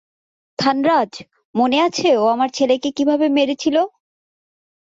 থানরাজ, মনে আছে ও আমার ছেলেকে কীভাবে মেরেছিল?